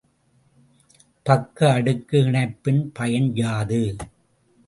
பக்க அடுக்கு இணைப்பின் பயன் யாது?